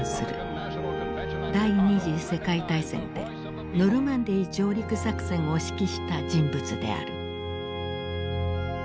第二次世界大戦でノルマンディー上陸作戦を指揮した人物である。